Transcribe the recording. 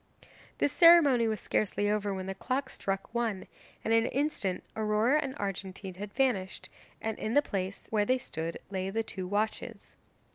This ceremony was scarcely over when the clock struck one, and in an instant Aurora and Argentine had vanished, and in the place where they stood lay two watches.